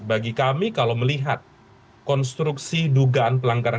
bagi kami kalau melihat konstruksi dugaan pelanggaran